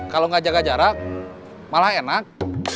kalau nggak jaga jarak malah enak